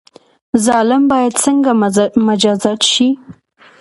ظالم باید څنګه مجازات شي؟